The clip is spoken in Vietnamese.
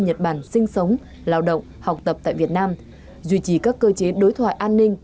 nhật bản sinh sống lao động học tập tại việt nam duy trì các cơ chế đối thoại an ninh